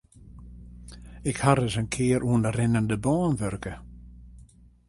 Ik ha ris in kear oan de rinnende bân wurke.